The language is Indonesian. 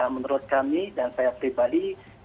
menurut kami dan saya pribadi